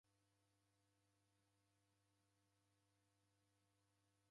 Mwindi ghochika nikikaba mpira